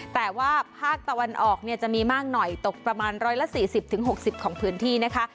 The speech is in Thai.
แต่ว่าภาคตะวันออกเนี่ยจะมีมากหน่อยตกประมาณร้อยละสี่สิบถึงหกสิบของพื้นที่นะคะ